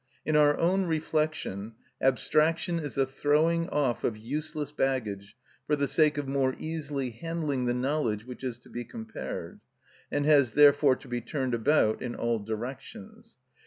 In our own reflection abstraction is a throwing off of useless baggage for the sake of more easily handling the knowledge which is to be compared, and has therefore to be turned about in all directions.